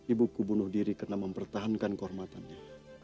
ibuku bunuh diri karena mempertahankan kehormatannya